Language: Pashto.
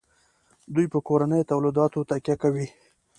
دوی په کورنیو تولیداتو تکیه کوي.